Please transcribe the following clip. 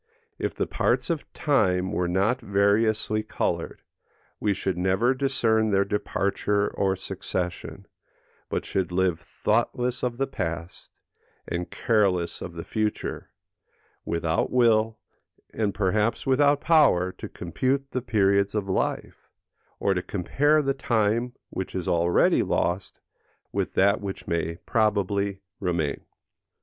If the parts of time were not variously coloured, we should never discern their departure or succession, but should live thoughtless of the past, and careless of the future, without will, and perhaps without power, to compute the periods of life, or to compare the time which is already lost with that which may probably remain.